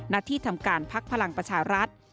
นัทธิธรรมการภักดิ์พลังประชารัฐ